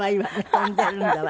跳んでいるんだわ。